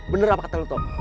bener apa kata lo